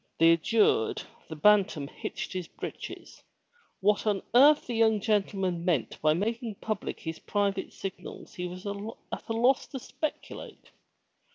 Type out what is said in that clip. Thus adjured, the Bantam hitched his breeches. What on earth the young gentleman meant by making public his private signals he was at a loss to speculate.